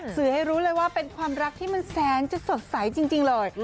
สื่อให้รู้เลยว่าเป็นความรักที่มันแสนจะสดใสจริงเลย